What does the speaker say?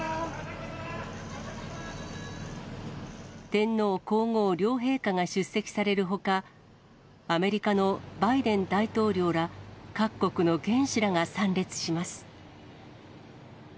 天皇皇后両陛下が出席されるほか、アメリカのバイデン大統領ら、各国の元首らが参列します。